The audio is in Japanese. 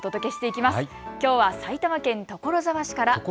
きょうは埼玉県所沢市から。